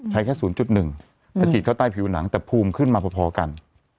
ใช้แค่๐๑แต่ฉีดเข้าใต้ผิวหนังแต่ภูมิขึ้นมาพอกัน